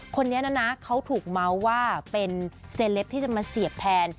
คนนี้นะนะเขาถูกเมาส์ว่าเป็นเซเลปที่จะมาเสียบแทน